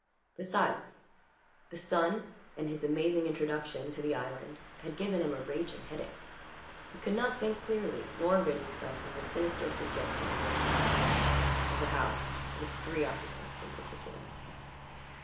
Besides, the sun and his amazing introduction to the island had given him a raging headache: he could not think clearly nor rid himself of the sinister suggestion of the town, of the house, of its three occupants in particular.